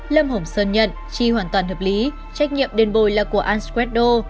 lâm hồng sơn nhận chi hoàn toàn hợp lý trách nhiệm đền bồi là của an scredo